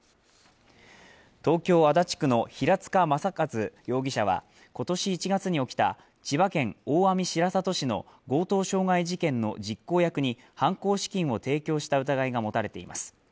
東京・足立区の平塚雅一容疑者は今年１月に起きた千葉県大網白里市の強盗傷害事件の実行役に犯行資金を提供した疑いが持たれています。